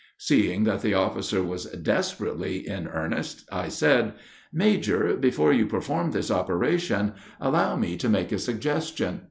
Seeing that the officer was desperately in earnest, I said, "Major, before you perform this operation, allow me to make a suggestion."